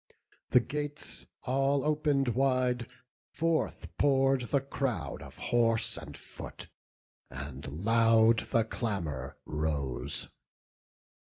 The gates all open'd wide, forth pour'd the crowd Of horse and foot; and loud the clamour rose.